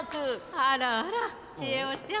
あらあらちえおちゃん。